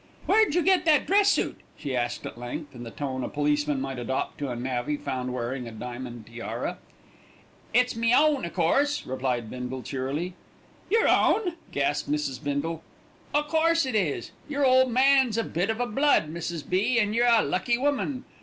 "Where'd you get that dress suit?" she asked at length, in the tone a policeman might adopt to a navvy found wearing a diamond tiara. "It's me own, o' course," replied Bindle cheerily. "Your own!" gasped Mrs. Bindle. "O' course it is. Your ole man's a bit of a blood, Mrs. B., and you're a lucky woman.